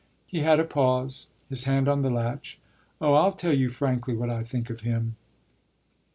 He had a pause, his hand on the latch. "Oh, I'll tell you frankly what I think of him!"